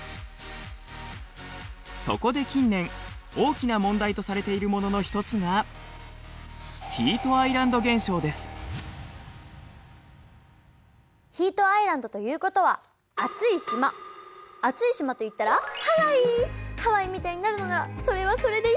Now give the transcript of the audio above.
そこで近年大きな問題とされているものの一つがヒートアイランドということは暑い島といったらハワイみたいになるのならそれはそれでいいかも！